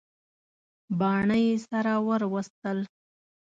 باڼه یې سره ور وستل.